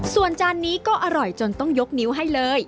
ส่วนจานนี้ก็อร่อยจนต้องยกนิ้วให้เลย